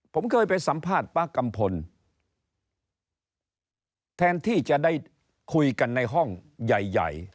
ผมเคยไปสัมภาษณ์ป๊ากัมพลแทนที่จะได้คุยกันในห้องใหญ่ใหญ่